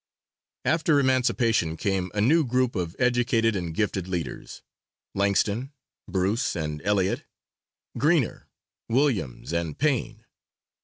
After emancipation came a new group of educated and gifted leaders: Langston, Bruce and Elliot, Greener, Williams and Payne.